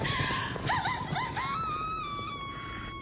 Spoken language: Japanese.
離しなさーい！